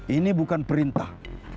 ini bukan perintah